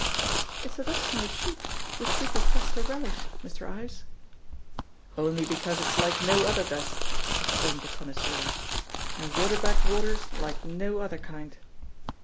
"It's the dust from the sheep, which you profess to relish, Mr. Ives." "Only because it's like no other dust," explained the connoisseur. "And water bag water's like no other kind."